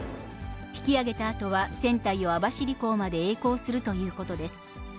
引き揚げたあとは、船体を網走港までえい航するということです。